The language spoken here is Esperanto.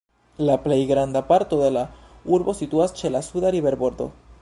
La plej granda parto de la urbo situas ĉe la suda riverbordo.